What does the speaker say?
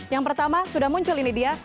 yang pertama sudah muncul ini dia